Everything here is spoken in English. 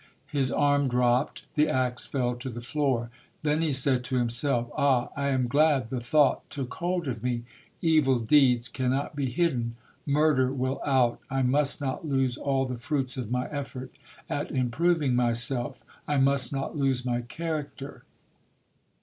His arm dropped, the ax fell to the floor. Then he said to himself, "Ah, I am glad the thought took hold of me. Evil deeds cannot be hidden. 'Murder will out.' I must not lose all the fruits of my effort at im proving myself. I must not lose my character".